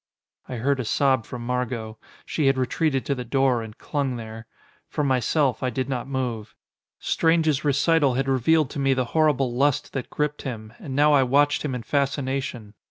I heard a sob from Margot. She had retreated to the door, and clung there. For myself, I did not move. Strange's recital had revealed to me the horrible lust that gripped him, and now I watched him in fascination.